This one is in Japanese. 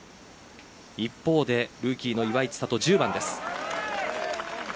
一方でルーキーの岩井千怜１０番です。